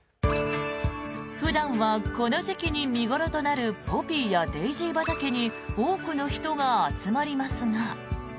普段はこの時期に見頃となるポピーやデージー畑に多くの人が集まりますが。